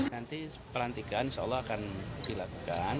nanti perantikan seolah akan dilakukan